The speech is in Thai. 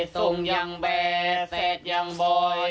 ทรงยังแบดแซ่ดอย่างบ่อย